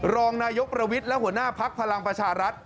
รองนายกประวิทย์และหัวหน้าภักดิ์พลังประชารัฐ